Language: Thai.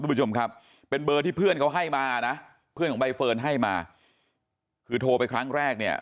ผู้ชมครับเป็นเบอร์ที่เพื่อนเขาให้มานะเพื่อนของใบเฟิร์นให้มาคือโทรไปครั้งแรกเนี่ย